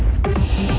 tidak pak bos